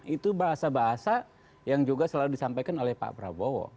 itu bahasa bahasa yang juga selalu disampaikan oleh pak prabowo